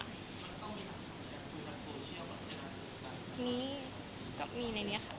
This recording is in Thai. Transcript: มันก็ต้องมีลักษณะแบบโซเชียลแบบเจนมากกว่ากัน